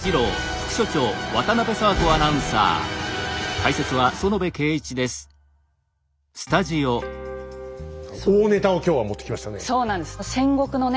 大ネタを今日は持ってきましたね。